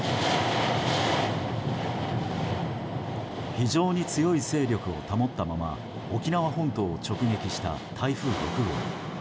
非常に強い勢力を保ったまま沖縄本島を直撃した台風６号。